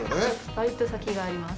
バイト先があります。